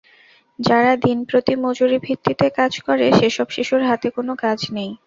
যারা দিনপ্রতি মজুরি ভিত্তিতে কাজ করে, সেসব শিশুর হাতে কোনো কাজ নেই।